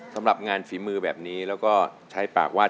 สำหรับงานฝีมือแบบนี้แล้วก็ใช้ปากวาด